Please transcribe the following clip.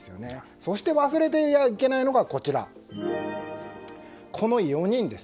そして忘れてはいけないのがこの４人です。